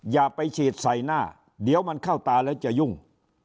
อย่าไปฉีดใส่หน้าเดี๋ยวมันเข้าตาแล้วจะยุ่ง